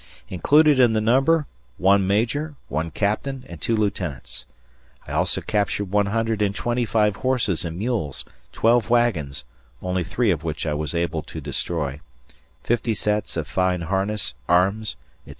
Included in the number, one Major, one Captain and two lieutenants. I also captured one hundred and twenty five horses and mules, twelve wagons (only three of which I was able to destroy), fifty sets of fine harness, arms, etc.